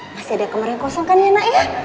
masih ada kamarnya kosong kan ya naya